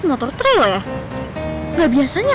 kamu ga tau temen temen di rumah itu